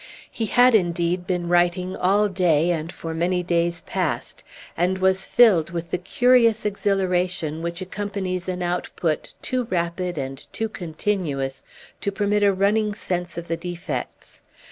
He had indeed been writing all day, and for many days past, and was filled with the curious exhilaration which accompanies an output too rapid and too continuous to permit a running sense of the defects.